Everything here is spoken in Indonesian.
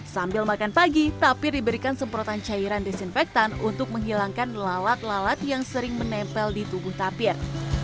sambil makan pagi tapir diberikan semprotan cairan disinfektan untuk menghilangkan lalat lalat yang sering menempel di tubuh tapir